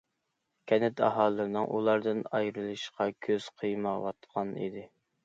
كەنت ئاھالىلىرىنىڭ ئۇلاردىن ئايرىلىشقا كۆز قىيمايۋاتقان ئىدى.